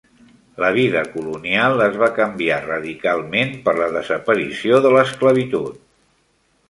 La vida colonial es va canviar radicalment per la desaparició de l'esclavitud.